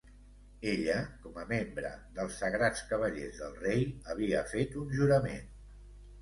Ella, com a membre dels sagrats cavallers del rei, havia fet un jurament.